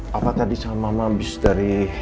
papa tadi sama mama habis dari